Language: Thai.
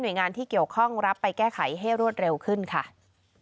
ทรงมีลายพระราชกระแสรับสู่ภาคใต้